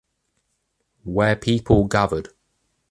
Where people gathered